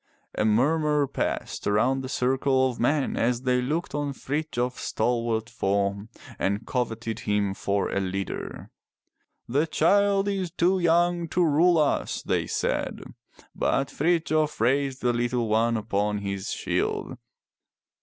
A murmur passed around the circle of men as they looked on Frithjof's stalwart form and coveted him for a leader. "The child is too young to rule us," they said. But Frithjof raised the little one upon his shield.